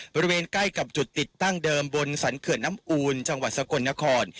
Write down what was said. บริเวณใกล้กับจุดติดตั้งเดิมบนสรรเขื่อนน้ำอูลจังหวัดสกลนคร